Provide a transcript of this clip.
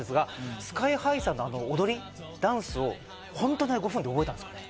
ＳＫＹ−ＨＩさんの踊り、ダンス、本当に５分で覚えたんですかね。